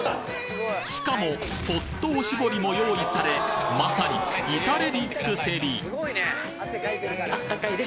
しかもＨＯＴおしぼりも用意されまさに至れり尽くせり